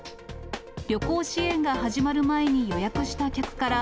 旅行支援が始まる前に予約した客から、